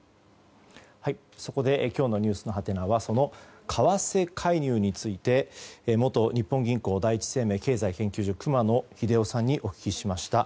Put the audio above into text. そこで今日のｎｅｗｓのハテナは為替介入について元日本銀行第一生命経済研究所熊野英生さんにお聞きしました。